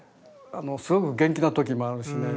すごく元気な時もあるしね